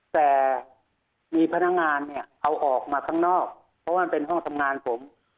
แต่มีพนักงานเนี่ยเอาออกมาข้างนอกเพราะว่ามันเป็นห้องทำงานผม